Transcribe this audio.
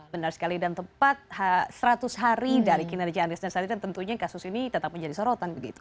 benar sekali dan tepat seratus hari dari kinerja andries dan sandi dan tentunya kasus ini tetap menjadi sorotan begitu